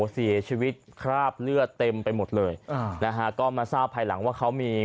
เสียชีวิตคราบเลือดเต็มไปหมดเลยอ่านะฮะก็มาทราบภายหลังว่าเขามี